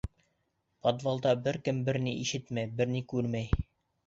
Подвалда бер кем бер ни ишетмәй, бер ни күрмәй.